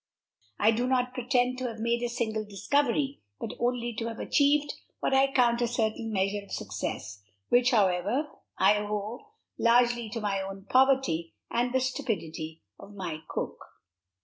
I do not pretend to have made a single discovery, but only to have achieved what I count a certain measure of success; which, however, I owe largely to my own poverty, and the stupidity of my cook.